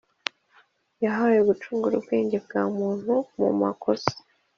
yahawe gucungura ubwenge bwa muntu mu makosa,